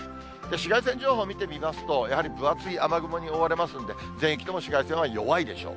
紫外線情報を見てみますと、やはり分厚い雨雲に覆われますんで、全域とも紫外線は弱いでしょう。